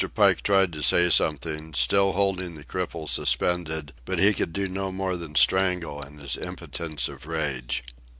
Pike tried to say something, still holding the cripple suspended, but he could do no more than strangle in his impotence of rage.